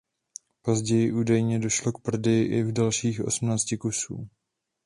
Později údajně došlo k prodeji i dalších osmnácti kusů.